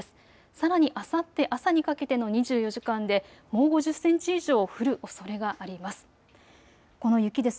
さらにあさって朝にかけての２４時間でもう５０センチ以上降るおそれがあります。